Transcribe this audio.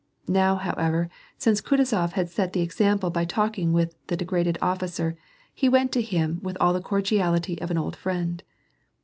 Now, how ever, since Kutuzof had set the example by talking with the degraded officer, he went to him with all the cordiality of an old friend.